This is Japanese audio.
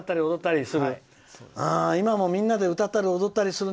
みんなで歌ったり踊ったりする。